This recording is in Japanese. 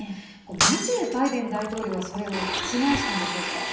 なぜ、バイデン大統領はそれを覆したんでしょうか。